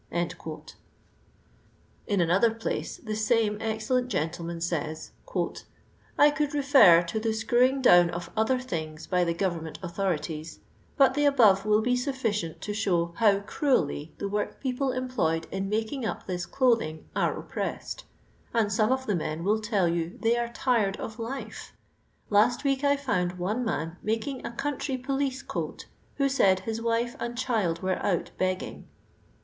'* In another place the same excellent gentleman says :—" I could refer to the screwing down of other things by the government authorities, but the above will be sufficient to show hoic cruelly the workpeople employed in making up this clot/ung are opjyressed; and some qf the men will tell yon they are tired of life. Last week I found one man YiMking a country poUce coat, wfu> said his wife and child were out begging."